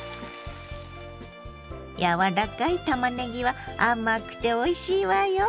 柔らかいたまねぎは甘くておいしいわよ。